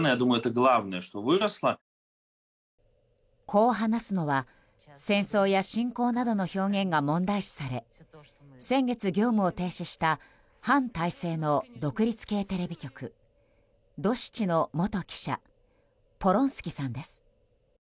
こう話すのは、戦争や侵攻などの表現が問題視され先月、業務を停止した反体制の独立系テレビ局ドシチの元記者ポロンスキさんです。